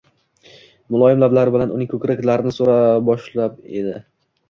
Muloyim lablari bilan uning ko‘kraklarini so‘ra boshlab edi